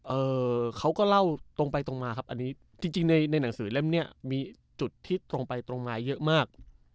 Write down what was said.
เอ่อเขาก็เล่าตรงไปตรงมาครับอันนี้จริงจริงในในหนังสือเล่มเนี้ยมีจุดที่ตรงไปตรงมาเยอะมาก